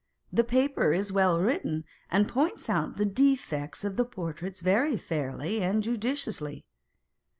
The paper is well written, and points out the defects of the portraits very fairly and judiciously.